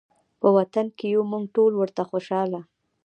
په وطن کې یو مونږ ټول ورته خوشحاله